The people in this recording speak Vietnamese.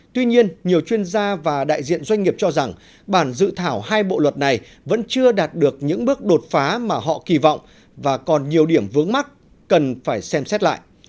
tuy nhiên nhiều chuyên gia và đại diện doanh nghiệp cho rằng bản dự thảo hai bộ luật này vẫn chưa đạt được những bước đột phá mà họ kỳ vọng và còn nhiều điểm vướng mắt cần phải xem xét lại